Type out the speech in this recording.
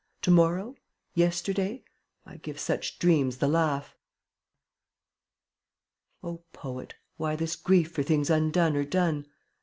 To morrow? Yesterday? 1 give such dreams the laugh. O Poet! why this grief For things undone or done?